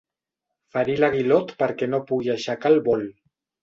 Ferir l'aguilot perquè no pugui aixecar el vol.